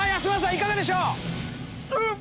いかがでしょう？